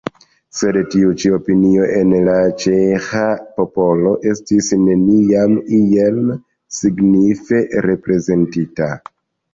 Sed tiu ĉi opinio en la ĉeĥa popolo estis neniam iel signife reprezentita.